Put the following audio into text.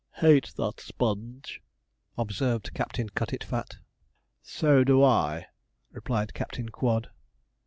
'Hate that Sponge,' observed Captain Cutitfat. 'So do I,' replied Captain Quod.